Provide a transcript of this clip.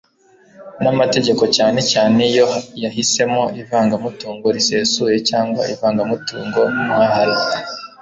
n'amategeko, cyane cyane iyo yahisemo ivangamutungo risesuye cyangwa ivangamutungo muhahano